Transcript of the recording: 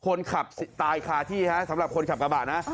คนขับตายคาที่ฮะสำหรับคนขับกระบะนะ